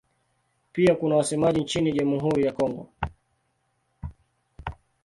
Pia kuna wasemaji nchini Jamhuri ya Kongo.